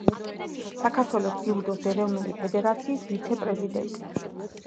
საქართველოს ძიუდოს ეროვნული ფედერაციის ვიცე-პრეზიდენტი.